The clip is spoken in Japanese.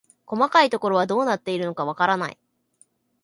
細かいところはどうなっているのかわからない